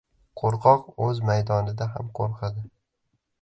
• Qo‘rqoq o‘z maydonida ham qo‘rqadi.